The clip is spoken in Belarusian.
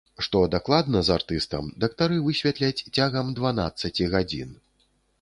Што дакладна з артыстам, дыктары высветляць цягам дванаццаці гадзін.